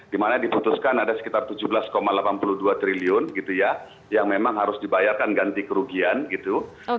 dimana diputuskan ada sekitar tujuh belas delapan puluh dua triliun gitu ya yang memang harus dibayarkan ganti kerugian gitu